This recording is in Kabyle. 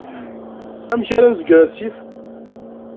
Amek ara nezger asif?